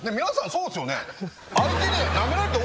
そうですよね？